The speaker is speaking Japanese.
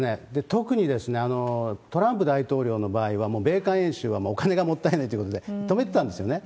特にトランプ大統領の場合は、もう米韓演習はお金がもったいないということで止めてたんですよね。